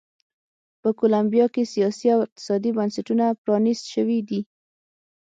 په کولمبیا کې سیاسي او اقتصادي بنسټونه پرانیست شوي دي.